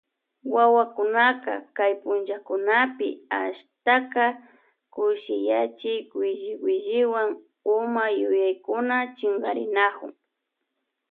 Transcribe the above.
Wawakunaka kay punllakunapi ashtaka kushiyachiy williwilliwan huma yuyaykuna chinkarinakun.